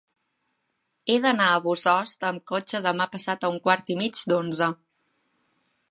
He d'anar a Bossòst amb cotxe demà passat a un quart i mig d'onze.